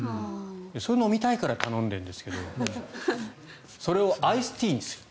それを飲みたいから頼んでるんですけどそれをアイスティーにする。